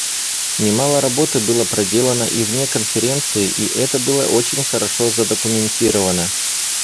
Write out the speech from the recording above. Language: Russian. Немало работы было проделано и вне Конференции, и это было очень хорошо задокументировано.